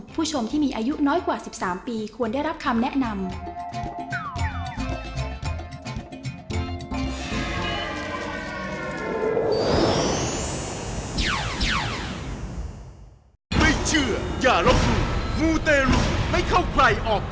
ผู้ชมที่มีอายุน้อยกว่า๑๓ปีควรได้รับคำแนะนำ